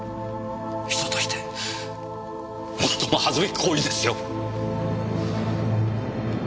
人としてもっとも恥ずべき行為ですよ！